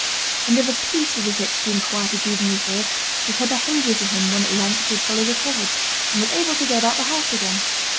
And of a piece with this extreme quietude and reserve was her behaviour to him when at length she had fully recovered, and was able to go about the house again.